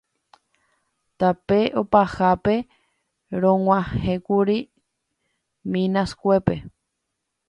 Tape opahápe rog̃uahẽkuri Minaskuépe.